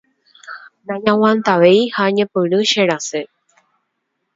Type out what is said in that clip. nañaguantavéi ha añepyrũ cherasẽ.